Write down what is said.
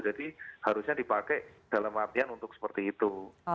jadi harusnya dipakai dalam artian untuk seperti itu